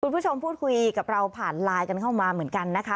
คุณผู้ชมพูดคุยกับเราผ่านไลน์กันเข้ามาเหมือนกันนะคะ